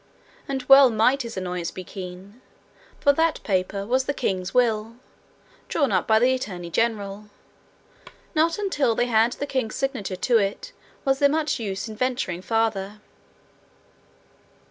And well might his annoyance be keen! For that paper was the king's will, drawn up by the attorney general; nor until they had the king's signature to it was there much use in venturing farther.